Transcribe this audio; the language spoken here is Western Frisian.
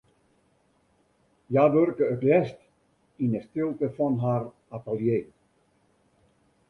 Hja wurke it leafst yn 'e stilte fan har atelier.